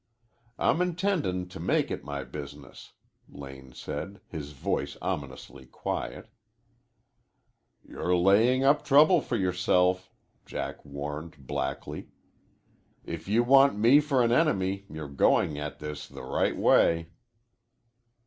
"I'm intendin' to make it my business," Lane said, his voice ominously quiet. "You're laying up trouble for yourself," Jack warned blackly. "If you want me for an enemy you're going at this the right way."